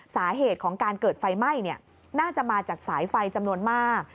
สาเหตุของการเกิดไฟไหม้น่าจะมาจากสายไฟจำนวนมาก